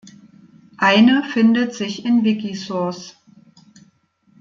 Eine findet sich in Wikisource.